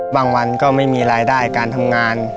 วันก็ไม่มีรายได้การทำงาน